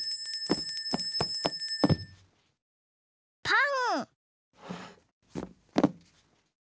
パン。